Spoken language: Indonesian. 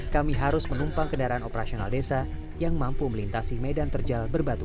kami harus menumpang kendaraan operasional desa yang mampu melintasi medan terjal berbatu